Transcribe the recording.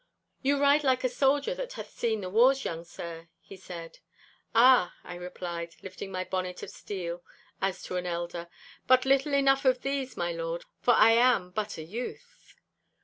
'You ride like a soldier that hath seen the wars, young sir,' he said. 'Ah,' I replied, lifting my bonnet of steel as to an elder, 'but little enough of these, my Lord, for I am but a youth.